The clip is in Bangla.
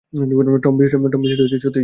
টম, বিষয়টা সত্যিই জরুরী!